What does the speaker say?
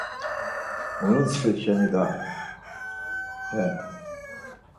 Muruntsxi şeni da… He!